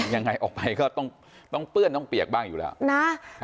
ยังไงออกไปก็ต้องเปื้อนต้องเปียกบ้างอยู่แล้วนะ